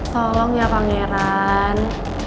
tolong ya pangeran